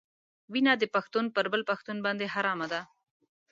وینه د پښتون پر بل پښتون باندې حرامه ده.